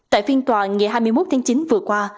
tại phiên tòa ngày hai mươi một tháng chín vừa qua